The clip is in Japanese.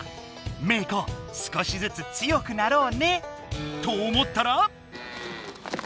メー子少しずつ強くなろうねと思ったら。